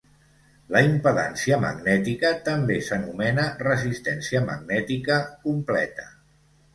La impedància magnètica també s'anomena resistència magnètica "completa".